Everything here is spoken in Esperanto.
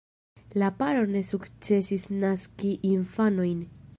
La paro ne sukcesis naski infanojn.